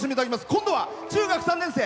今度は中学３年生。